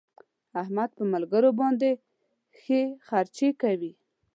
احمد په ملګرو باندې ښې خرڅې کوي.